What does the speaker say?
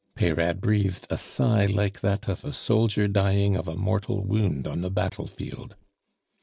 Peyrade breathed a sigh like that of a soldier dying of a mortal wound on the battlefield.